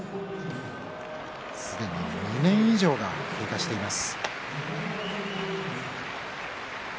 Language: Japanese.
すでに２年以上が経過しています。